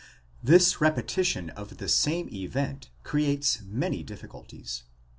This repetition of the same event creates many difficulties.